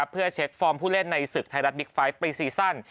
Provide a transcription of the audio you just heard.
เพื่อเช็คฟอร์มผู้เล่นในศึกไทยรัฐบิ๊กไฟท์ปรีซีซั่น